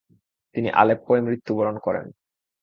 তিনি আলেপ্পোয় মৃত্যুবরণ করেন।